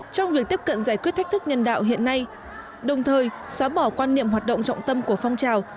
trong việc tiếp cận giải quyết thách thức nhân đạo hiện nay đồng thời xóa bỏ quan niệm hoạt động trọng tâm của phong trào